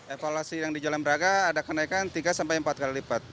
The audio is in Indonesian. evaluasi yang di jalan braga ada kenaikan tiga sampai empat kali lipat